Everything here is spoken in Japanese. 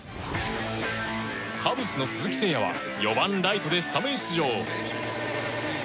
カブスの鈴木誠也は４番ライトでスタメン出場。